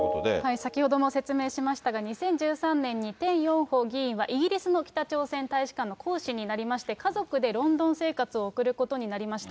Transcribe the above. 先ほども説明しましたが、２０１３年に、テ・ヨンホ議員はイギリスの北朝鮮大使館の公使になりまして、家族でロンドン生活を送ることになりました。